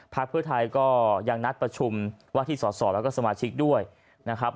เพื่อไทยก็ยังนัดประชุมว่าที่สอสอแล้วก็สมาชิกด้วยนะครับ